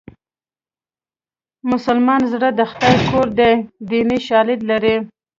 د مسلمان زړه د خدای کور دی دیني شالید لري